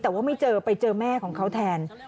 แต่ว่าไม่เจอไปเจอแม่ของเขาแทน